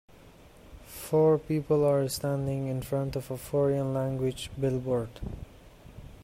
Four people are standing in front of a foreign language billboard.